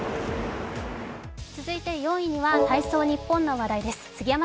続いて４位には体操ニッポンの話題です。